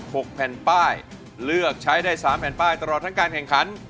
หกแผ่นป้ายเลือกใช้ได้สามแผ่นป้ายตลอดทั้งการแข่งขัน